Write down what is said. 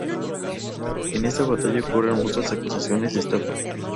En esta batalla, ocurren mutuas acusaciones de estafa.